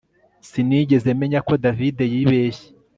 Sinigeze menya ko David yibeshye